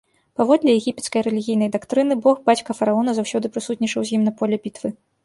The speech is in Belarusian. Паводле егіпецкай рэлігійнай дактрыны, бог-бацька фараона заўсёды прысутнічаў з ім на поле бітвы.